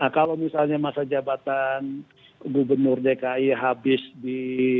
kalau misalnya masa jabatan gubernur dki habis di